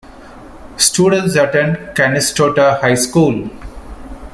Students attend Canistota High School.